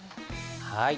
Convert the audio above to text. はい。